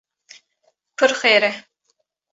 pir xêr e